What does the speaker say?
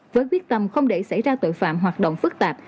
với quyết tâm không để xảy ra tội phạm hoạt động phức tạp